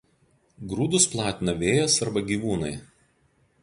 Grūdus platina vėjas arba gyvūnai.